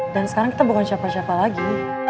dan sekarang kita bukan siapa siapa lagi